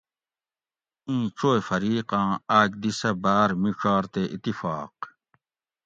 ایں چوئ فریقاں آک دی سہ باۤر میڄار تے اتفاق